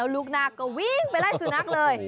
ลูกนาคก็วิ่งไปไล่สุนัขเลย